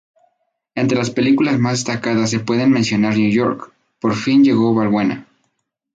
Entre las películas más destacadas se pueden mencionar New York: ¡Por Fin Llegó Balbuena!